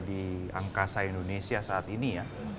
di angkasa indonesia saat ini ya